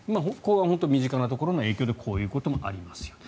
本当に身近なところの影響でこういうこともありますよと。